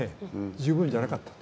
十分じゃなかったと。